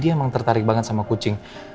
dia emang tertarik banget sama kucing